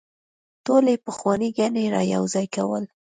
ټولې پخوانۍ ګڼې رايوځاي کول